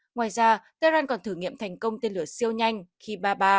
ngoài ra tehran còn thử nghiệm thành công tên lửa siêu nhanh khi ba mươi ba